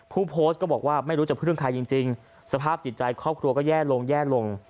ผู้โพสต์ก็บอกว่าไม่รู้จะพึ่งใครจริงสภาพจิตใจครอบครัวก็แย่ลงแย่ลง